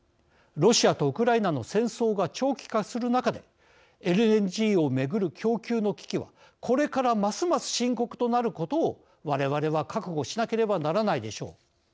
ロシアとウクライナの戦争が長期化する中で、ＬＮＧを巡る供給の危機は、これからますます深刻となることを我々は覚悟しなければならないでしょう。